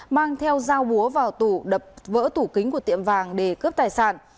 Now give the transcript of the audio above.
mang theo dao búa vào tủ đập vỡ tủ kính của tiệm vàng để cướp tài sản